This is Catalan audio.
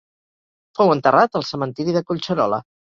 Fou enterrat al Cementiri de Collserola.